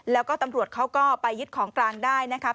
แล้วก็ตำรวจเขาก็ไปยึดของกลางได้นะคะ